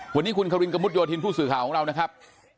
วันนี้คุณครินกระมุดโยธินผู้สื่อข่าวของเรานะครับ